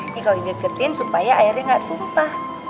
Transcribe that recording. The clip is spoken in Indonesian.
ini kalau dideketin supaya airnya nggak tumpah